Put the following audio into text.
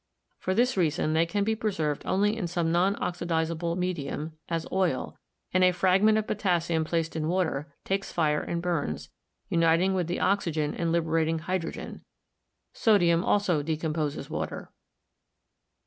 For this reason they can be preserved only in some non oxidizable medium, as oil, and a fragment of potassium placed in water takes fire and burns, uniting with the oxygen and liberating hydrogen ; sodium also decomposes water.